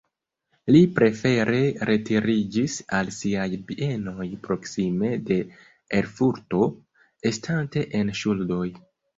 Li prefere retiriĝis al siaj bienoj proksime de Erfurto, estante en ŝuldoj.